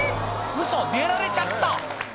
ウソ出られちゃった！